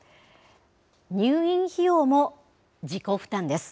入院費用も自己負担です。